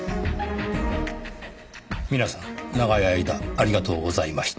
「みなさん長い間ありがとうございました」